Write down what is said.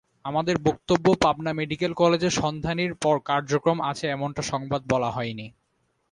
আমাদের বক্তব্য পাবনা মেডিকেল কলেজে সন্ধানীর কার্যক্রম আছে এমনটা সংবাদ বলা হয়নি।